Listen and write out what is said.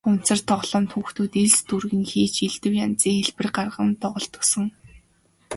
Хуванцар тоглоомд хүүхдүүд элс дүүргэн хийж элдэв янзын хэлбэр гарган тоглодог сон.